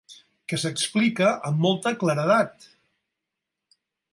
Que s'explica amb molta claredat.